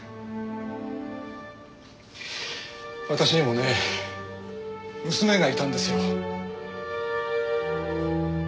私にもね娘がいたんですよ。